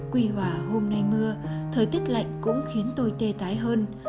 quy hòa hôm nay mưa thời tiết lạnh cũng khiến tôi tê tái hơn